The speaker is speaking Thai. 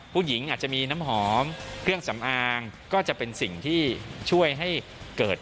ผู้หญิงอาจจะมีน้ำหอมเครื่องสำอางก็จะเป็นสิ่งที่ช่วยให้เกิด